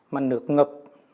mà nước ngập